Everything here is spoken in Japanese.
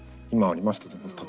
今ありました